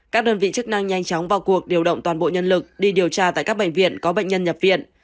các đơn vị chức năng nhanh chóng vào cuộc điều động toàn bộ nhân lực đi điều tra tại các bệnh viện có bệnh nhân nhập viện